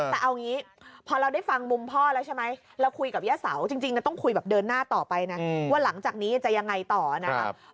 แต่เอางี้พอเราได้ฟังมุมพ่อแล้วใช่ไหมเราคุยกับย่าเสาจริงต้องคุยแบบเดินหน้าต่อไปนะว่าหลังจากนี้จะยังไงต่อนะครับ